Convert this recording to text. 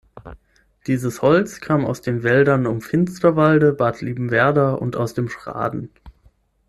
Dieses Holz kam aus den Wäldern um Finsterwalde, Bad Liebenwerda und aus dem Schraden.